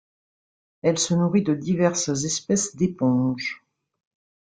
Elle se nourrit de diverses espèces d'éponges.